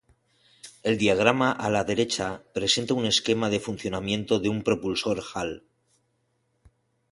El diagrama a la derecha presenta un esquema de funcionamiento de un propulsor Hall.